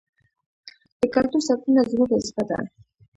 د کلتور ساتنه زموږ وظیفه ده.